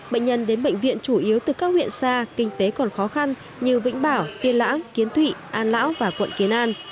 bệnh nhân đến bệnh viện chủ yếu từ các huyện xa kinh tế còn khó khăn như vĩnh bảo tiên lãng kiến thụy an lão và quận kiến an